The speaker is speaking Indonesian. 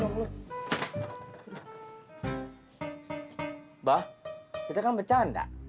mbah kita kan bercanda